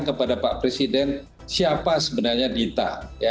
kepada pak presiden siapa sebenarnya dita